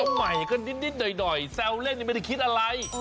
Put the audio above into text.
เอาใหม่ก็นิดหน่อยแซวเล่นยังไม่ได้คิดอะไร